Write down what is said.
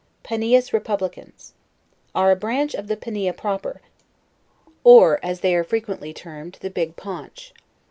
PANIAS REPUBLICANS. Are a branch of the Pania Proper, or, as they are frequently termed, the Big Paunch.